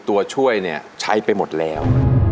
ตัวช่วยเนี่ยใช้ไปหมดแล้ว